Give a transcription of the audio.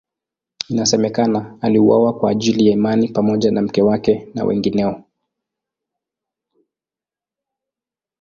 Inasemekana aliuawa kwa ajili ya imani pamoja na mke wake na wengineo.